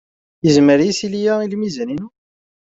Yezmer yisili-a i lmizan-inu?